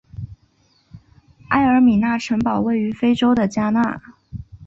埃尔米纳城堡位于非洲的加纳。